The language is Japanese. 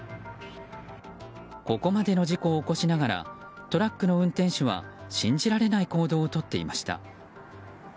ここまでの事故を起こしながらトラックの運転手は信じられない行動をとっていました。